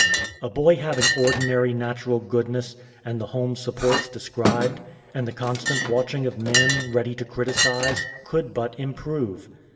A boy having ordinary natural goodness, and the home supports described, and the constant watching of men, ready to criticise, could but improve.